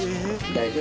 大丈夫。